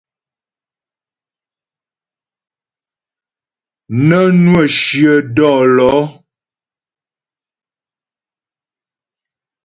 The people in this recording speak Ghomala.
Nə́ nwə́ shyə dɔ́lɔ̌.